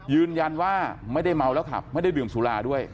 ยืนยันว่าไม่ได้เมาแล้วขับไม่ได้ดื่มสุราด้วย